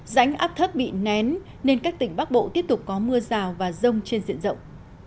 rãnh áp thấp bị nén nên các tỉnh bắc bộ tiếp tục có mưa rào và rông trên diện rộng